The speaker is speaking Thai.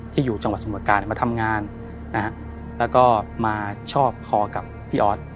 อยู่จังหวัดสมการมาทำงานนะฮะแล้วก็มาชอบคอกับพี่ออส